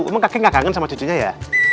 emang kakek gak kangen sama cucunya ya